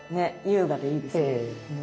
優雅でいいですよね。